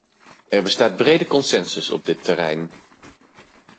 Er bestaat brede consensus op dit terrein.